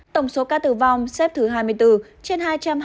tổng số ca tử vong xếp thứ hai mươi bốn trên hai trăm hai mươi ca